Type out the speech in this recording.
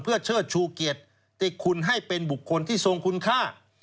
เพื่อเชิดชูเกียรติที่คุณให้เป็นบุคคลที่ทรงคุณค่า